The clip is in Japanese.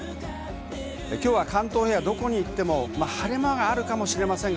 関東平野どこに行っても晴れ間があるかもしれません。